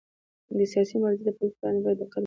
د سیاسي مبارزې د پیل پړاو باید په دقت مشخص شي.